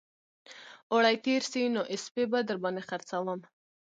اوړي تېر شي نو اسپې به در باندې خرڅوم